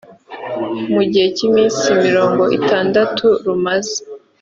Mu gihe cy iminsi mirongo itandatu rumaze